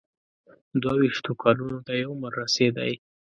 دوه ویشتو کلونو ته یې عمر رسېدی.